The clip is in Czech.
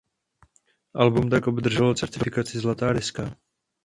Album tak obdrželo certifikaci zlatá deska.